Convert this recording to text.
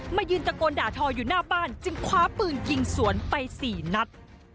ยืนตะโกนด่าทออยู่หน้าบ้านจึงคว้าปืนยิงสวนไป๔นัด